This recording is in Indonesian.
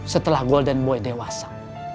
setelah golden boy dewasa